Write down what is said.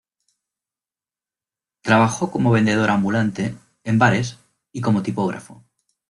Trabajó como vendedor ambulante, en bares y como tipógrafo.